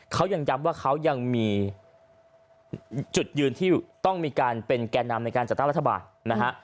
เขายังย้ำว่าเขายังมีจุดยืนที่ต้องมีการเป็นแก่นำในการจัดตั้งรัฐบาลนะฮะ